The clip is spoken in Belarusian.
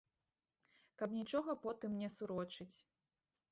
Каб нічога потым не сурочыць.